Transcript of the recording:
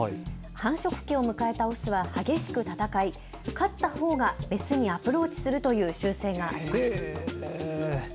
繁殖期を迎えたオスは激しく戦い勝ったほうがメスにアプローチするという習性があります。